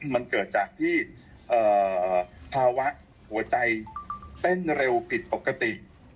มันเกิดจากที่ภาวะหัวใจเต้นเร็วผิดปกติ